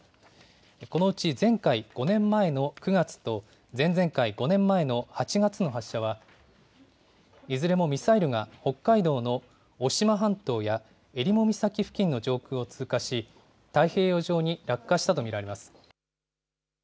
このうち前回５年前の９月と、前々回５年前の８月の発射は、いずれもミサイルが北海道の渡島半島や襟裳岬付近の上空を通過し、太平洋上に落下したと見られます。